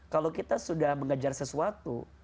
kalau kita sudah mengejar sesuatu